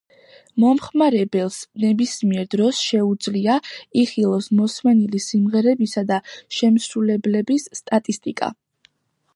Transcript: მომხმარებელს ნებისმიერ დროს შეუძლია, იხილოს მოსმენილი სიმღერებისა და შემსრულებლების სტატისტიკა.